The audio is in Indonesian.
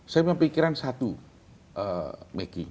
saya mempikirkan satu mekki